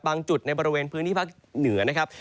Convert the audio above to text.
จุดในบริเวณพื้นที่ภาคเหนือนะครับ